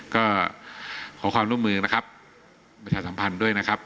ก็ขอความร่วมมือนะครับประชาสัมพันธ์ด้วยนะครับ